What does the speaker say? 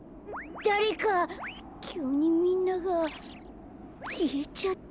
きゅうにみんながきえちゃった。